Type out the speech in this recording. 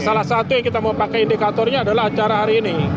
salah satu yang kita mau pakai indikatornya adalah acara hari ini